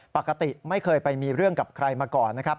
ปกติไม่เคยไปมีเรื่องกับใครมาก่อนนะครับ